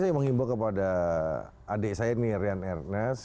saya menghimbau kepada adik saya nih rian ernest